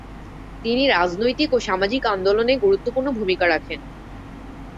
তিনি রাজনৈতিক ও সামাজিক আন্দোলনে গুরুত্বপূর্ণ ভূমিকা রাখেন।